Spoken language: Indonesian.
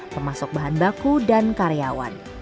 termasuk bahan baku dan karyawan